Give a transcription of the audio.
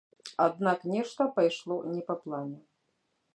Аднак нешта пайшло не па плане.